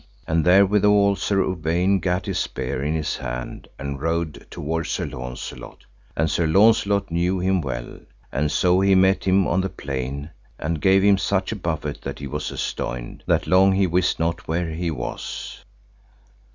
And therewithal, Sir Uwaine gat his spear in his hand and rode toward Sir Launcelot, and Sir Launcelot knew him well, and so he met him on the plain, and gave him such a buffet that he was astonied, that long he wist not where he was.